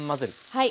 はい。